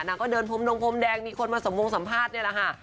ก็เดินพรมดงพรมแดงมีคนมาสมวงสัมภาษณ์นี่แหละค่ะ